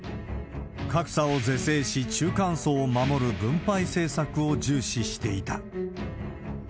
格差を是正し、中間層を守る分配政策を重視していた。